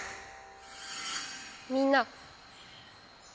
みんな。